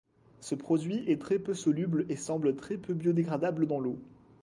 Ce produit est très peu soluble et semble très peu biodégradable dans l'eau.